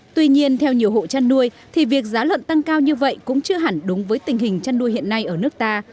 tuy nhiên theo nhiều hộ chăn nuôi thì việc giá lợn tăng cao như vậy cũng chưa hẳn đúng với tình hình chăn nuôi hiện nay ở nước ta